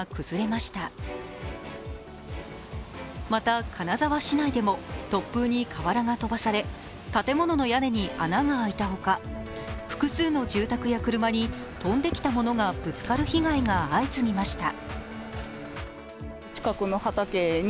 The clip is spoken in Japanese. また、金沢市内でも突風にかわらが飛ばされ建物の屋根に穴が開いたほか、複数の住宅や車に飛んできたものがぶつかる被害が相次ぎました。